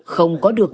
không có được